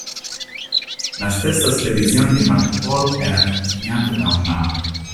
La stessa spedizione di Marco Polo era accompagnata da un Alano.